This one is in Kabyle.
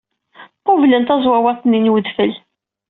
Qublent tazwawaḍt-nni n udfel.